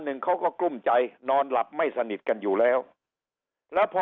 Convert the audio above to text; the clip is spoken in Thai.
หนึ่งเขาก็กลุ้มใจนอนหลับไม่สนิทกันอยู่แล้วแล้วพอ